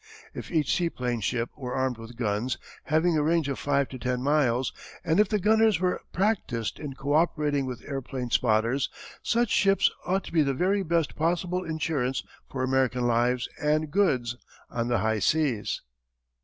If each seaplane ship were armed with guns having a range of five to ten miles, and if the gunners were practised in co operating with airplane spotters, such ships ought to be the very best possible insurance for American lives and goods on the high seas."